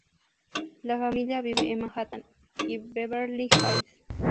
La familia vive en Manhattan y Beverly Hills.